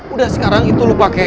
udah sekarang itu lu pake